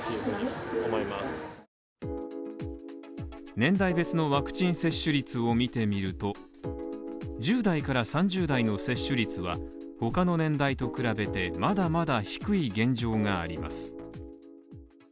年代別のワクチン接種率を見てみると１０代から３０代の接種率は他の年代と比べてまだまだ低い現状があります。